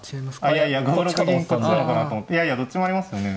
いやいやどっちもありますよね。